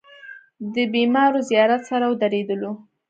د بېمارو زيارت سره ودرېدلو.